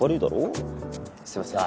すいません。